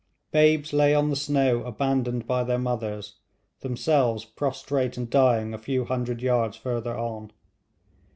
Babes lay on the snow abandoned by their mothers, themselves prostrate and dying a few hundred yards further on.